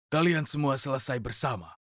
kalian semua selesai bersama